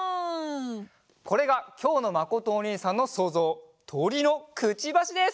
これがきょうのまことおにいさんのそうぞう「とりのくちばし」です！